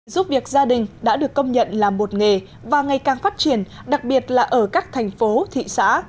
giúp việc gia đình đã được công nhận là một nghề và ngày càng phát triển đặc biệt là ở các thành phố thị xã